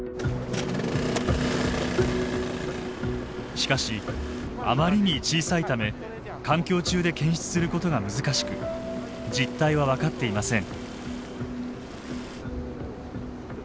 しかしあまりに小さいため環境中で検出することが難しく実態は分かっていません。